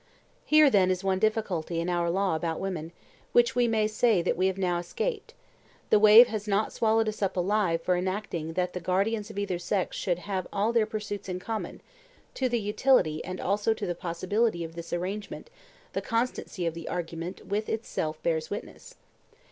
Here, then, is one difficulty in our law about women, which we may say that we have now escaped; the wave has not swallowed us up alive for enacting that the guardians of either sex should have all their pursuits in common; to the utility and also to the possibility of this arrangement the consistency of the argument with itself bears witness.